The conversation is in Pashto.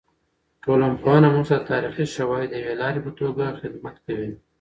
د ټولنپوهنه موږ ته د تاریخي شواهدو د یوې لارې په توګه خدمت کوي.